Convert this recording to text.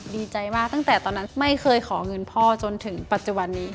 ดีใจมากตั้งแต่ตอนนั้นไม่เคยขอเงินพ่อจนถึงปัจจุบันนี้